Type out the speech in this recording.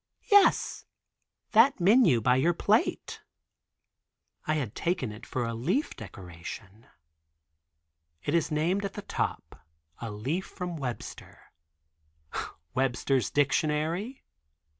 "Yes, that menu by your plate." I had taken it for a leaf decoration. It is named at the top A Leaf From Webster. Webster's dictionary?